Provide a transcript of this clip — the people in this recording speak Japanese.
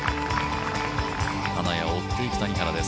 金谷、追っていく谷原です。